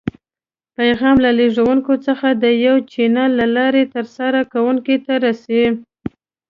پیغام له لیږدونکي څخه د یو چینل له لارې تر لاسه کوونکي ته رسي.